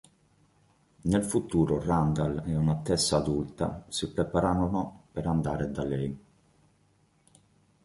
Nel futuro Randall e una Tess adulta si preparano per "andare da lei".